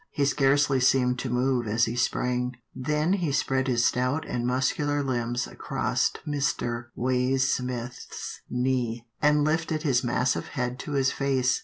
He scarcely seemed to move as he sprang, then he spread his stout and muscular limbs across Mr. Waysmith's knees, and lifted his massive head to his face.